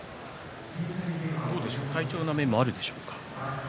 体調の面もあるでしょうか。